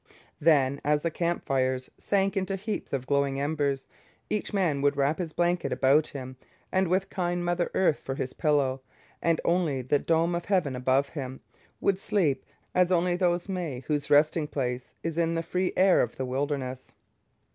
Then, as the camp fires sank into heaps of glowing embers, each man would wrap his blanket about him and with kind mother earth for his pillow and only the dome of heaven above him, would sleep as only those may whose resting place is in the free air of the wilderness.